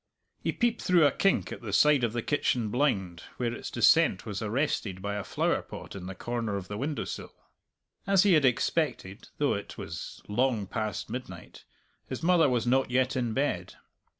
He peeped through a kink at the side of the kitchen blind, where its descent was arrested by a flowerpot in the corner of the window sill. As he had expected, though it was long past midnight, his mother was not yet in bed.